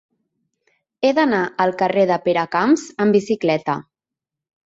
He d'anar al carrer de Peracamps amb bicicleta.